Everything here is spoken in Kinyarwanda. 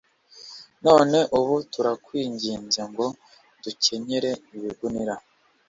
none ubu turakwinginze ngo dukenyere ibigunira